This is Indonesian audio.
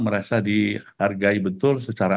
merasa dihargai betul secara